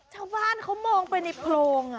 ชาวบ้านเขามองเป็นนิพโลง